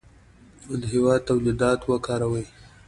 د هېواد تولیدات وکاروئ.